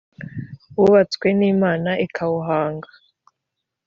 wubatswe n imana ikawuhanga